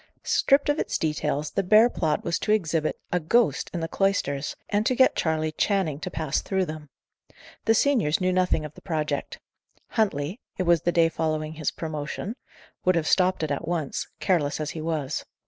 Stripped of its details, the bare plot was to exhibit a "ghost" in the cloisters, and to get Charley Channing to pass through them. The seniors knew nothing of the project. Huntley it was the day following his promotion would have stopped it at once, careless as he was.